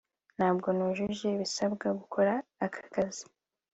ntabwo nujuje ibisabwa gukora aka kazi